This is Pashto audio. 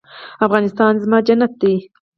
افغانستان زما جنت دی